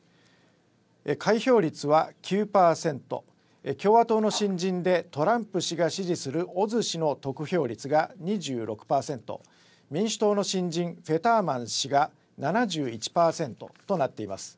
開票率は９％、共和党の新人でトランプ氏が支持するオズ氏の得票率が２６％、民主党の新人、フェターマン氏が７１％となっています。